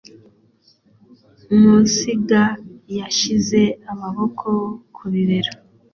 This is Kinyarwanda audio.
Musinga yashyize amaboko ku kibero.